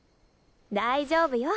大丈夫よ。